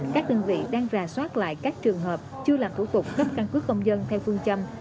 các đơn vị đang rà soát lại các trường hợp chưa làm thủ tục cấp căn cước công dân theo phương châm